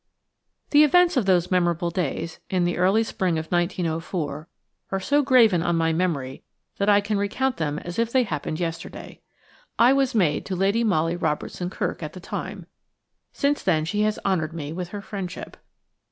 2 THE events of those memorable days–in the early spring of 1904–are so graven on my memory that I can recount them as if they happened yesterday. I was maid to Lady Molly Robertson Kirk at the time. Since then she has honoured me with her friendship.